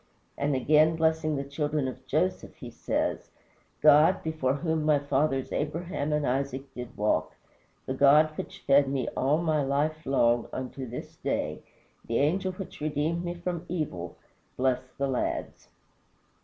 And again, blessing the children of Joseph, he says: "God, before whom my fathers Abraham and Isaac did walk, the God which fed me all my life long unto this day, the Angel which redeemed me from all evil, bless the lads."